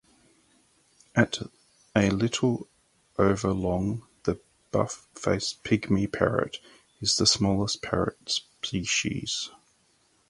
At a little over long, the buff-faced pygmy parrot is the smallest parrot species.